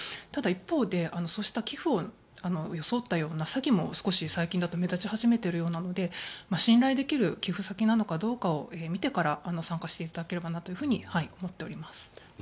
ただ、一方でそうした寄付を装った詐欺も最近だと目立ち始めているようなので信頼できる寄付先なのかどうかを見てから参加していただければなというふうに思っています。